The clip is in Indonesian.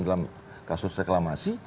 dalam kasus reklamasi